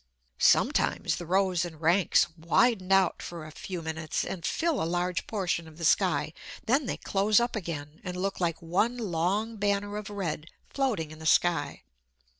Sometimes the rows and ranks widen out for a few minutes, and fill a large portion of the sky; then they close up again, and look like one long banner of red floating in the sky.